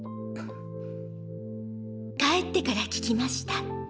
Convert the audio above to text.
帰ってから聞きました。